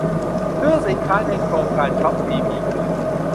ซื้อสินค้าในโครงการช้อปดีมีคืน